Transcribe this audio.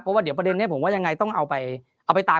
เพราะว่าเดี๋ยวประเด็นนี้ผมว่ายังไงต้องเอาไปเอาไปตาม